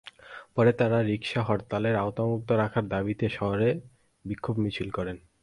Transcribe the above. পরে তাঁরা রিকশা হরতালের আওতামুক্ত রাখার দাবিতে শহরে বিক্ষোভ মিছিল করেন।